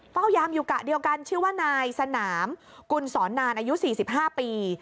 ยามอยู่กะเดียวกันชื่อว่านายสนามกุลสอนนานอายุ๔๕ปี